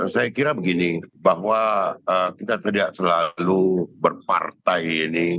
saya kira begini bahwa kita tidak selalu berpartai ini